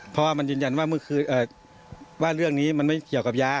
เพราะว่ามันยืนยันว่าเรื่องนี้ไม่เกี่ยวกับยา